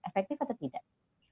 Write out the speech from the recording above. efektif atau tidak